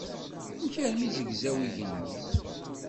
Amek armi zegzaw yigenni?